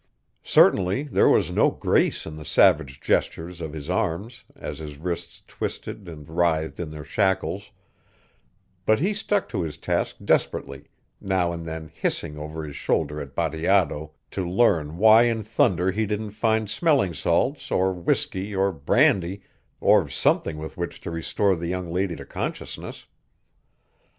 Certainly there was no grace in the savage gestures of his arms as his wrists twisted and writhed in their shackles, but he stuck to his task desperately, now and then hissing over his shoulder at Bateato to learn why in thunder he didn't find smelling salts or whiskey or brandy or something with which to restore the young lady to consciousness.